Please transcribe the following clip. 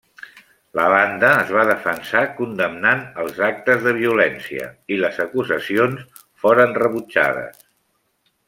La banda es va defensar condemnant els actes de violència i les acusacions foren rebutjades.